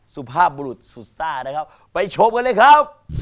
สุภาพบุรุษสุซ่านะครับไปชมกันเลยครับ